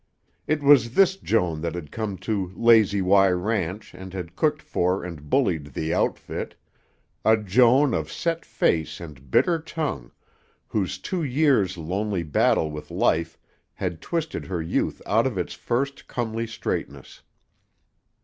It was this Joan that had come to Lazy Y Ranch and had cooked for and bullied "the outfit" a Joan of set face and bitter tongue, whose two years' lonely battle with life had twisted her youth out of its first comely straightness.